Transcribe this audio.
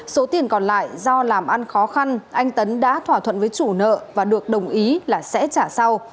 số tiền còn lại do làm ăn khó khăn anh tấn đã thỏa thuận với chủ nợ và được đồng ý là sẽ trả sau